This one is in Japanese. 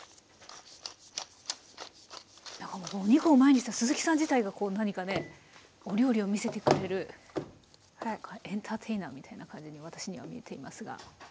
何かお肉を前にした鈴木さん自体が何かねお料理を見せてくれるエンターテイナーみたいな感じに私には見えていますが。